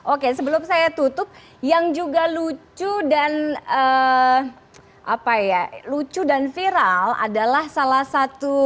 oke sebelum saya tutup yang juga lucu dan lucu dan viral adalah salah satu